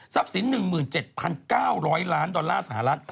หนึ่งหมื่นเจ็ดพันเก้าร้อยล้านดอลลาร์สหรัฐ